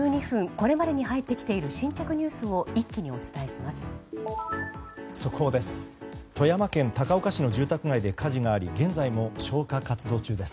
これまでに入ってきている新着ニュースを一気にお伝えします。